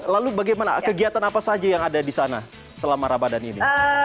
lalu bagaimana kegiatan apa saja yang ada di sana selama ramadan ini